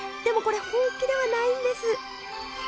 でもこれ本気ではないんです。